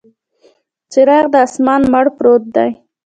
څراغ د اسمان، مړ پروت دی